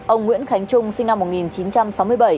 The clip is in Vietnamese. ông nguyễn khánh trung sinh năm một nghìn chín trăm sáu mươi bảy